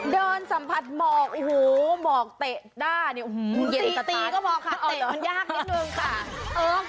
เดินสัมผัสมอกหมอกเตะตีก็พอค่ะเตะอ่อนยากนิดหนึ่งค่ะ